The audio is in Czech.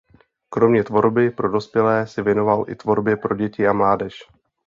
Kromě tvorby pro dospělé se věnoval i tvorbě pro děti a mládež.